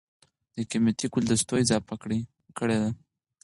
دَ قېمتي ګلدستو اضافه کړې ده